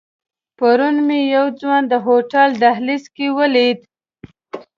پرون مې یو ځوان د هوټل دهلیز کې ولید.